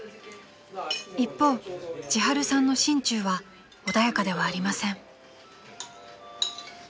［一方千春さんの心中は穏やかではありません］